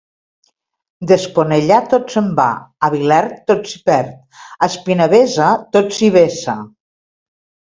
D'Esponellà, tot se'n va; a Vilert, tot s'hi perd; a Espinavessa, tot s'hi vessa.